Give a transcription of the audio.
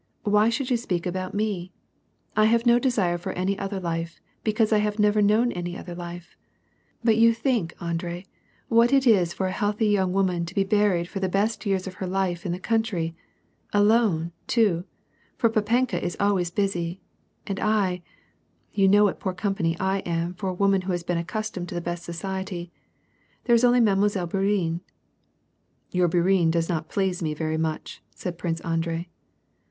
Why should you speak about me ? I have no desire for any other life, because I have never known any other life. But you think, Andrd, what it is for a healtliy young woman to be buried for the best years of her life in the country, alone, too, — for papenka is always busy, and I, — you know what poor company I lun for a woman who has been accustomed to the best society. There's only Mile. Bourienne." "Your Bourienne does not please me very much," said Prince Andrei.